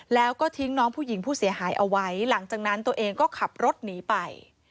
แล้วก็ทิ้งน้องผู้หญิงผู้เสียหายเอาไว้หลังจากนั้นตัวเองก็ขับรถหนีไป